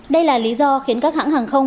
đây là lý do khiến các hãng hàng không